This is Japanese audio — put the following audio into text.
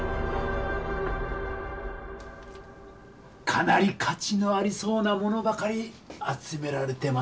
かなり価値のありそうなものばかり集められてますなぁ。